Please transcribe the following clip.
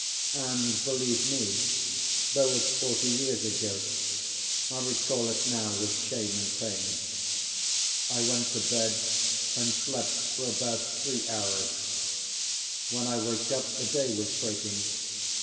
And, believe me, though it's forty years ago, I recall it now with shame and pain. I went to bed and slept for about three hours; when I waked up the day was breaking.